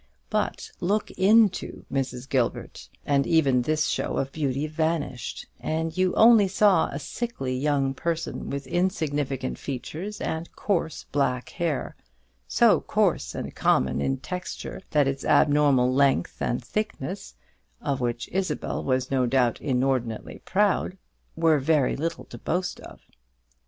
But look into Mrs. Gilbert, and even this show of beauty vanished, and you only saw a sickly young person, with insignificant features and coarse black hair so coarse and common in texture, that its abnormal length and thickness of which Isabel was no doubt inordinately proud were very little to boast of.